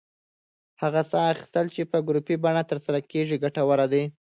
هغه ساه اخیستل چې په ګروپي بڼه ترسره کېږي، ګټور دی.